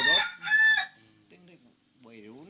มันมันเด็ดหน่อย